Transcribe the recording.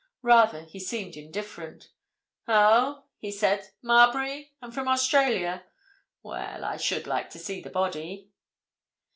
Rather, he seemed indifferent. "Oh?" he said—"Marbury? And from Australia. Well—I should like to see the body."